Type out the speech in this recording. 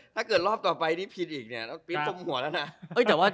ถ้าเกิดรอบต่อไปนี้ผิดอีกเนี่ยต้องปิดตรงหัวแล้วนะ